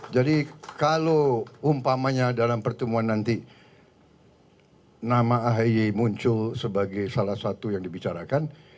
jadi kalau umpamanya dalam pertemuan nanti nama ahi muncul sebagai salah satu yang dibicarakan